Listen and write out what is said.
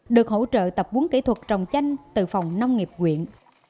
được hỗ trợ tập huấn kỹ thuật trồng chanh từ phòng nông nghiệp quyện